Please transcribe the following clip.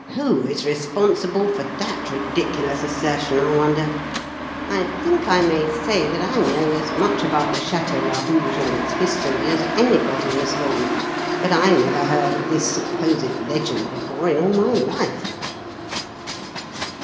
'" "Who is responsible for that ridiculous assertion, I wonder? I think I may say that I know as much about the Château Larouge and its history as anybody, Miss Lorne, but I never heard of this supposed 'legend' before in all my life."